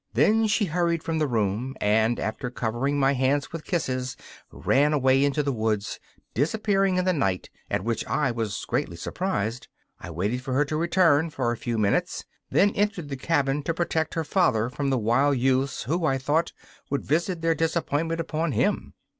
Then she hurried from the room, and after covering my hands with kisses ran away into the woods, disappearing in the night, at which I was greatly surprised. I waited for her to return, for a few minutes, then entered the cabin to protect her father from the wild youths who, I thought, would visit their disappointment upon him.